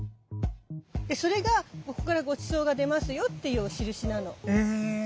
それがここからごちそうが出ますよっていうお印なの。へ。